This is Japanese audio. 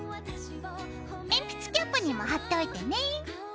鉛筆キャップにも貼っておいてね。